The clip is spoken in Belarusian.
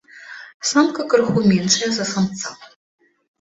Самка крыху меншая за самца.